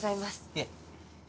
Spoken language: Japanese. いえ。